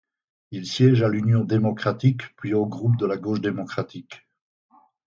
Il siège à l'Union démocratique, puis au groupe de la Gauche démocratique.